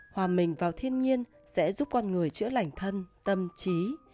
hòa mình vào thiên nhiên sẽ giúp con người chữa lành thân tâm trí